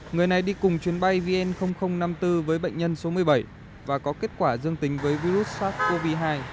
người này đi cùng chuyến bay vn năm mươi bốn với bệnh nhân số một mươi bảy và có kết quả dương tính với virus sars cov hai